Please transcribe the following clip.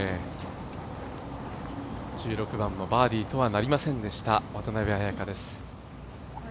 １６番もバーディーとはなりませんでした、渡邉彩香です。